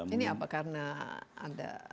ini apa karena ada